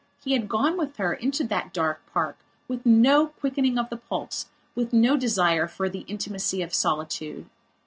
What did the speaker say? He had gone with her into that dark park with no quickening of the pulse, with no desire for the intimacy of solitude.